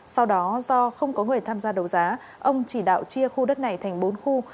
sau đó do không có người tham gia đấu giá ông chỉ đạo chia khu đất này thành bốn khu